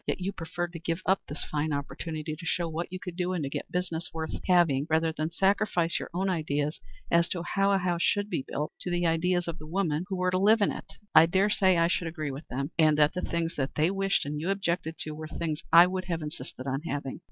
Yet you preferred to give up this fine opportunity to show what you could do and to get business worth having rather than sacrifice your own ideas as to how a house should be built to the ideas of the women who were to live in it. I dare say I should agree with them, and that the things which they wished and you objected to were things I would have insisted on having."